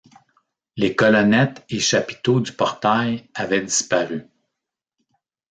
Les colonnettes et chapiteaux du portail avaient disparu.